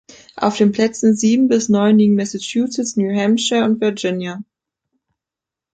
Auf den Plätzen sieben bis neun liegen Massachusetts, New Hampshire und Virginia.